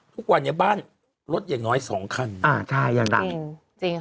ทุกวันนี้บ้านรถอย่างน้อยสองคันอ่าใช่อย่างหนักจริงจริงค่ะ